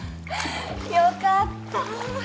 よかった。